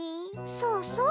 そうそう。